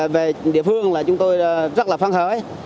về địa phương là chúng tôi rất là phán khởi